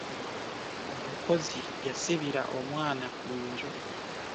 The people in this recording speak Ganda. Omukozi yasibira omwana mu nju.